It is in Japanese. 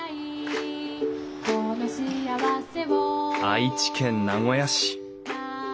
愛知県名古屋市。